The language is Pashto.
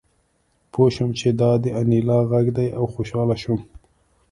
پوه شوم چې دا د انیلا غږ دی او خوشحاله شوم